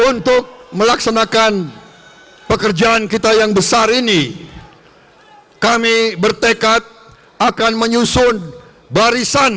untuk melaksanakan pekerjaan kita yang besar ini kami bertekad akan menyusun barisan